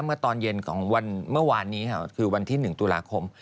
เมื่อตอนเย็นของวันเมื่อวานนี้ค่ะคือวันที่๑ตุลาคม